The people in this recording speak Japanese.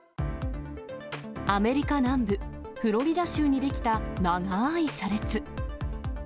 アメリカ南部フロリダ州に出来た長い車列。